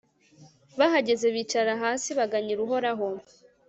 bahageze bicara hasi baganyira uhoraho